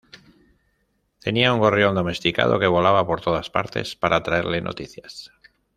Tenía un gorrión domesticado que volaba por todas partes para traerle noticias.